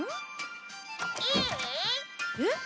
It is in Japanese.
えっ？